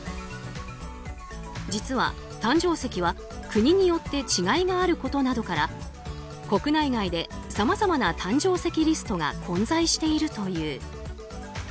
実は誕生石は国によって違いがあることなどから国内外でさまざまな誕生石リストが混在しているという。